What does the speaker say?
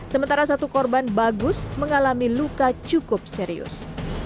sementara satu korban bagus mengalami luka cukup serius